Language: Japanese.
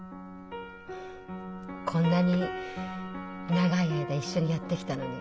こんなに長い間一緒にやってきたのに。